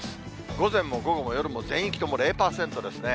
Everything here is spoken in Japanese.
午前も午後も夜も全域とも０％ですね。